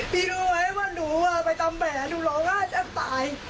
พี่รู้ไหมว่าหนูอ่ะไปตามแผลหนูหล่อง่ายจังตาย